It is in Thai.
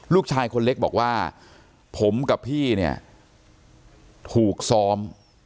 ลูกชายคนเล็กบอกว่าผมกับพี่เนี่ยถูกซ้อม